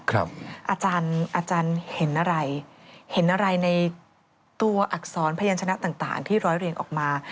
อาจารย์เห็นอะไรเห็นอะไรในตัวอักษรพยานชนะต่างที่ร้อยเรียงออกมา